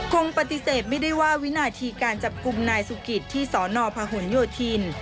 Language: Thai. คงปฏิเสธไม่ได้ว่าวินาทีการจับกลุ่มนายสุกิตที่สนพหนโยธิน